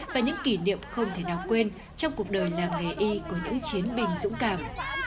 và những kỷ niệm không thể nào quên trong cuộc đời làm nghề y của những chiến binh dũng cảm